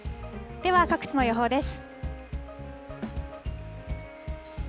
では各地の予報です。